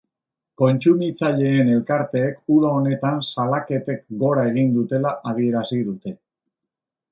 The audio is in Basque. Kontsumitzaileen elkarteek uda honetan salaketek gora egin dutela adierazi dute.